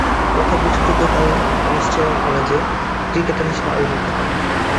প্রথম বিশ্বযুদ্ধকালীন উইনচেস্টার কলেজে ক্রিকেটার হিসেবে আবির্ভূত হন।